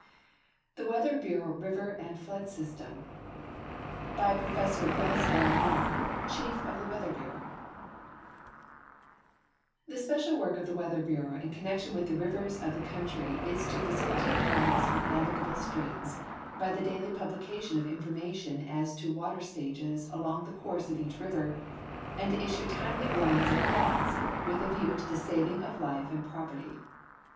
THE WEATHER BUREAU RIVER AND FLOOD SYSTEM By Professor MTllis L. IMoore, Chief of the Weather Bureau The special work of the \Veather Bureau in connection with the rivers of the country is to facilitate commerce on navigable streams l)y the dail}' pul)lication of information as to water stages along the course of each river, and to issue timel}" warnings of floods, with a view to the saving of life and property.